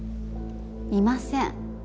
いません。